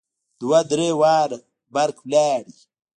دوه درې واره برق ولاړ.